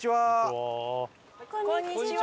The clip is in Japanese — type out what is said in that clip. こんにちは。